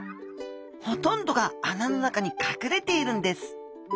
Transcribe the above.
ほとんどが穴の中にかくれているんです。